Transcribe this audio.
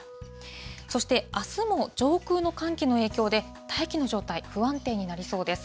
そしてあすも上空の寒気の影響で、大気の状態、不安定になりそうです。